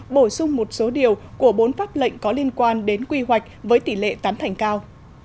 bổ sung một số điều của bốn pháp lệnh có liên quan đến quy hoạch với tỷ lệ tán thành cao